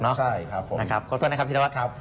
ใช่ครับผมขอโทษนะครับพี่ต้อนรับครับ